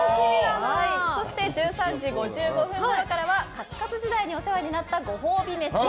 そして１３時５５分ごろからはカツカツ時代にお世話になったご褒美飯。